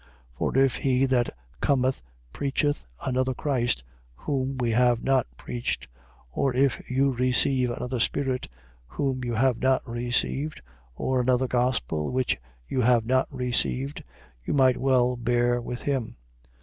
11:4. For if he that cometh preacheth another Christ, whom we have not preached; or if you receive another Spirit, whom you have not received; or another gospel, which you have not received: you might well bear with him.